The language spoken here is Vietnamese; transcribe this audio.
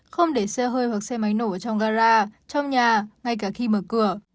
không để xe hơi hoặc xe máy nổ trong gara trong nhà ngay cả khi mở cửa